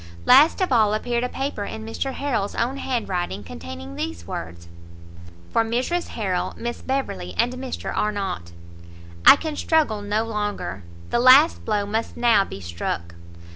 Last of all appeared a paper in Mr Harrel's own hand writing, containing these words. For Mrs Harrel, Miss Beverley, and Mr Arnott. I can struggle no longer, the last blow must now be struck!